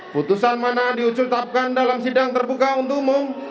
putusan mana diucutapkan dalam sidang terbuka untuk umum